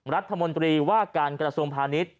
รัฐมนตรีว่าการกระทรวมพลานิต